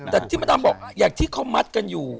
แต่ที่มาดำบอกอย่างที่เขามัดกันอยู่